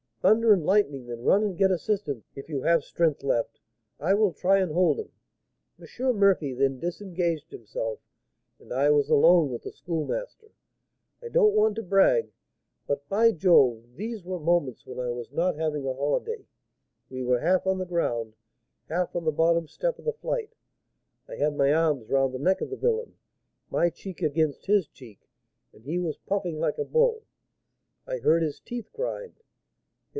'Thunder and lightning! then run and get assistance, if you have strength left; I will try and hold him.' M. Murphy then disengaged himself, and I was alone with the Schoolmaster. I don't want to brag, but, by Jove! these were moments when I was not having a holiday. We were half on the ground, half on the bottom step of the flight. I had my arms round the neck of the villain, my cheek against his cheek; and he was puffing like a bull, I heard his teeth grind.